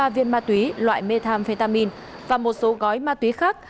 bảy trăm chín mươi ba viên ma túy loại methamphetamine và một số gói ma túy khác